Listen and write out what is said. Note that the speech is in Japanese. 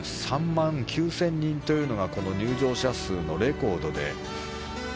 ２３万９０００人というのがこの入場者数のレコードで。